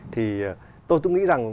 thì tôi cũng nghĩ rằng